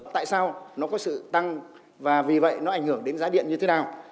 tại sao nó có sự tăng và vì vậy nó ảnh hưởng đến giá điện như thế nào